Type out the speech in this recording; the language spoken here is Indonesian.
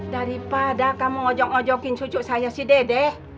daripada kamu ojok ojokin cucu saya si dede